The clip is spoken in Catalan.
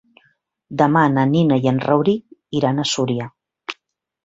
Demà na Nina i en Rauric iran a Súria.